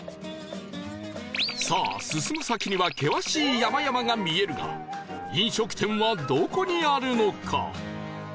さあ進む先には険しい山々が見えるが飲食店はどこにあるのか？